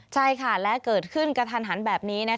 ใช่ค่ะและเกิดขึ้นกระทันหันแบบนี้